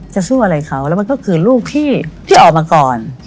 สู้อะไรเขาแล้วมันก็คือลูกที่ออกมาก่อน